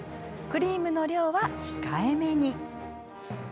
クリームの量は控えめに。